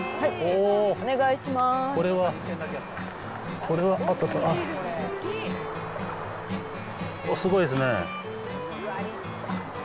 おっ、すごいですね。